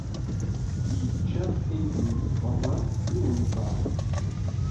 Yeǧǧa aydi-nnes beṛṛa, i unẓar.